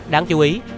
đáng chú ý